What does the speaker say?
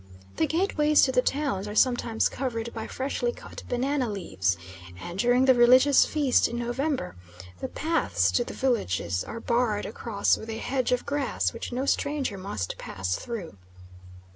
The gateways to the towns are sometimes covered by freshly cut banana leaves, and during the religious feast in November, the paths to the villages are barred across with a hedge of grass which no stranger must pass through.